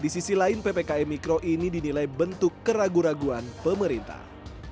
selain ppkm mikro ini dinilai bentuk keraguan keraguan pemerintah